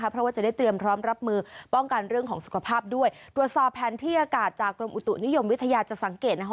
เพราะว่าจะได้เตรียมพร้อมรับมือป้องกันเรื่องของสุขภาพด้วยตรวจสอบแผนที่อากาศจากกรมอุตุนิยมวิทยาจะสังเกตนะคะ